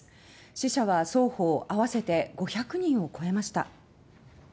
死者は双方合わせて５００人を超えました。